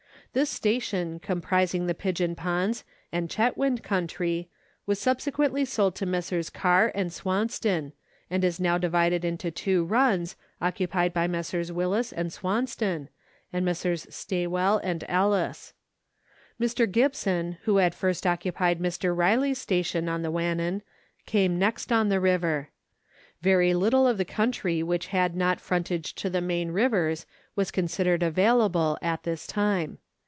This station, com prising the Pigeon Ponds and Chetwynd country, was subse quently sold to Messrs. Kerr and Swanston, and is now divided into two runs, occupied by Messrs. Willis and Swanston and Messrs. Stawell and Ellis. Mr. Gibson, who had first occupied Letters from Victorian Pioneers. 177 Mr. Riley's station on the Wannou, came next on the river. Very little of the country which had not frontage to the main rivers was considered available at this time.